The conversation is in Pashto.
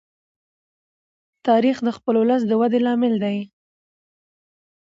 تاریخ د خپل ولس د ودې لامل دی.